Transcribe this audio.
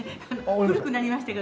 古くなりましたけど。